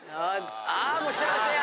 あもう幸せや。